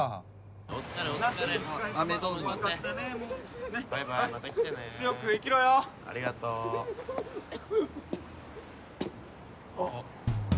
お疲れお疲れあめどうぞバイバイまた来てね強く生きろよありがとうあっ！